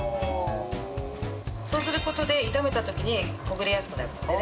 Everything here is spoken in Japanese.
そうする事で炒めた時にほぐれやすくなるのでね。